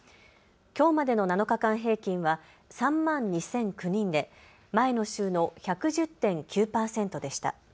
きょうまでの７日間平均は３万２００９人で前の週の１１０．９％でした。